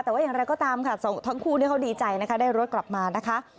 แต่ว่าอย่างไรก็ตามค่ะทั้งคู่เขาดีใจนะคะได้รถกลับมานะคะ